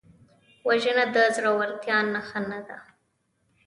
وژنه د زړورتیا نښه نه ده